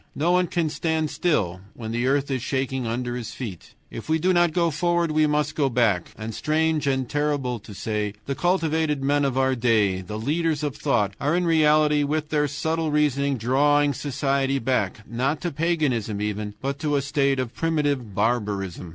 No one can stand still when the earth is shaking under his feet. If we do not go forward we must go back. And strange and terrible to say, the cultivated men of our day, the leaders of thought, are in reality with their subtle reasoning drawing society back, not to paganism even, but to a state of primitive barbarism.